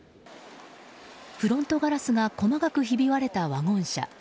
フロントガラスが細かくひび割れたワゴン車。